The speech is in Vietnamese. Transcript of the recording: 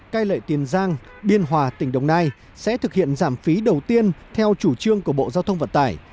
cai lệ tiền giang biên hòa tỉnh đồng nai sẽ thực hiện giảm phí đầu tiên theo chủ trương của bộ giao thông vận tải